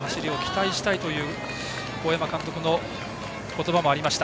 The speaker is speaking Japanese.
区間賞の走りを期待したいという神山監督の言葉もありました。